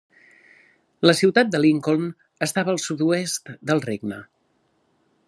La ciutat de Lincoln estava al sud-oest del regne.